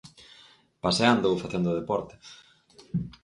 Paseando ou facendo deporte.